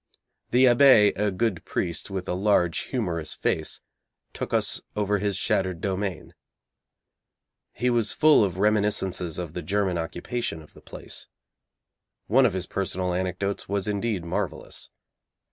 The abbé, a good priest, with a large humorous face, took us over his shattered domain. He was full of reminiscences of the German occupation of the place. One of his personal anecdotes was indeed marvellous.